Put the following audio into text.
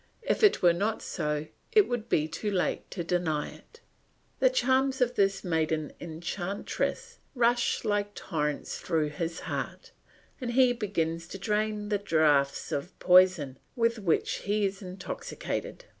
If it were not so, it would be too late to deny it. The charms of this maiden enchantress rush like torrents through his heart, and he begins to drain the draughts of poison with which he is intoxicated.